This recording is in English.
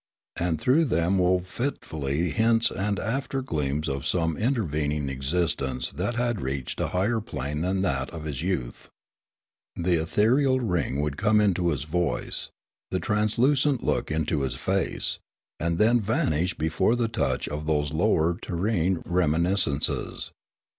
And through them wove fitfully hints and after gleams of some intervening existence that had reached a higher plane than that of his youth. The ethereal ring would come into his voice, the translucent look into his face, and then vanish before the touch of those lower terrene reminiscences.